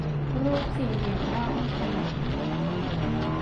รูปสี่เหลี่ยมด้านขนาน